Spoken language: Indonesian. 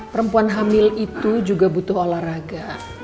perempuan hamil itu juga butuh olahraga